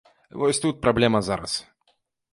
Вось тут праблема зараз.